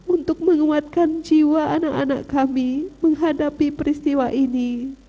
untuk menguatkan jiwa anak anak kami menghadapi peristiwa ini